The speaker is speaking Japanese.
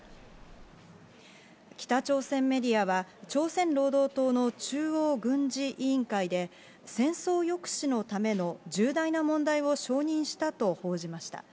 北朝鮮メディアは朝鮮労働党の中央軍事委員会で、戦争抑止のための重大な問題を承認したと報じました。